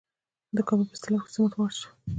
د کابل په استالف کې د سمنټو مواد شته.